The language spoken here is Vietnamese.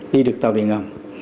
đi được tàu điện ngầm